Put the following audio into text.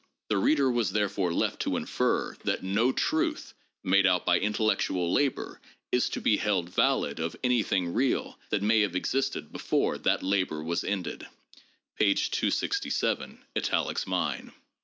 The reader was therefore left to infer that no truth made out by intellectual labor is to be held valid of anything real that may have existed before that labor was ended '' (p. 267, italics mine).